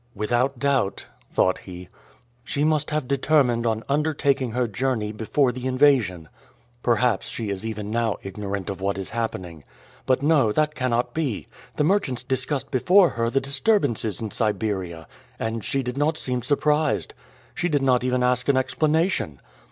"Without doubt," thought he, "she must have determined on undertaking her journey before the invasion. Perhaps she is even now ignorant of what is happening. But no, that cannot be; the merchants discussed before her the disturbances in Siberia and she did not seem surprised. She did not even ask an explanation.